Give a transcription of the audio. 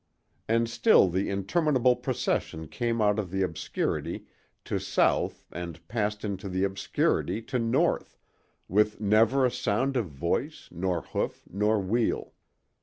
And still the interminable procession came out of the obscurity to south and passed into the obscurity to north, with never a sound of voice, nor hoof, nor wheel.